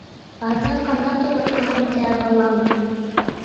ھازىر قانداق تۇرۇۋاتقاندۇ بىچارە بالام...